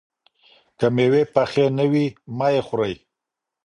که مېوې پخې نه وي، مه یې خورئ.